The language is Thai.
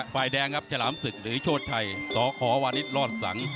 ฝ่ายแดงครับฉลามศึกหรือโชชไทยสอขอวันนี้รอดสังค์